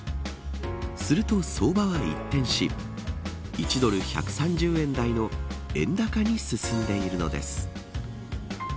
すると相場は一転し１ドル１３０円台の円高に進んでいるのです。